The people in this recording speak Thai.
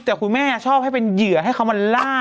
แต่คุณแม่ชอบให้เป็นเหยื่อให้เขามาล่า